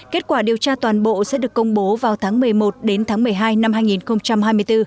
kết quả điều tra toàn bộ sẽ được công bố vào tháng một mươi một đến tháng một mươi hai năm hai nghìn hai mươi bốn